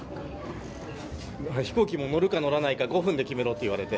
飛行機も乗るか乗らないか５分で決めろって言われて。